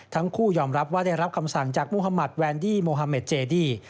ทั้งคู่ยอมรับว่าได้รับคำสั่งจากมุธมัติแวนดี้โมฮาเมดเจดี